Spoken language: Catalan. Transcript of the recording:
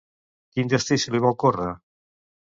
Quin destí se li va ocórrer?